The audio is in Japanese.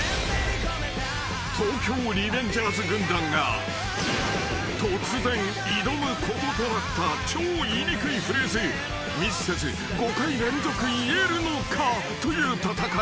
［『東京リベンジャーズ』軍団が突然挑むこととなった超言いにくいフレーズミスせず５回連続言えるのかという戦い］